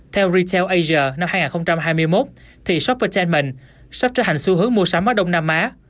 theo retail asia năm hai nghìn hai mươi một thì shoppertainment sắp trở thành xu hướng mua sắm ở đông nam á